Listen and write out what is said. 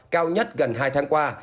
cao nhất gần hai tháng qua